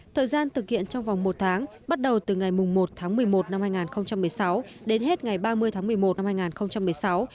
thời gian thực hiện trong vòng một tháng bắt đầu từ ngày một tháng một mươi một năm hai nghìn một mươi sáu đến hết ngày ba mươi tháng một mươi một năm hai nghìn một mươi sáu